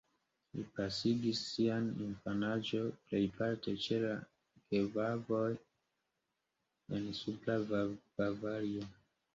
Li pasigis sian infanaĝon plejparte ĉe la geavoj en Supra Bavario.